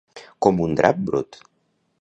Com un drap brut.